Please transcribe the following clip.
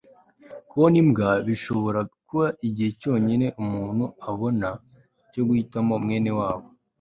kubona imbwa bishobora kuba igihe cyonyine umuntu abona cyo guhitamo mwene wabo